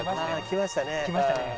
来ましたね。